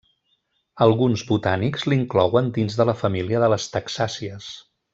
Alguns botànics l'inclouen dins de la família de les taxàcies.